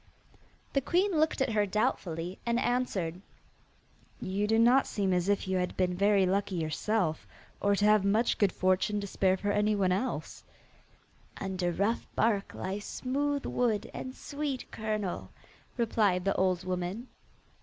The queen looked at her doubtfully, and answered: 'You do not seem as if you had been very lucky yourself, or to have much good fortune to spare for anyone else.' 'Under rough bark lies smooth wood and sweet kernel,' replied the old woman.